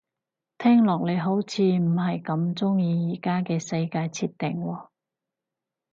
聽落你好似唔係咁鍾意而家嘅世界設定喎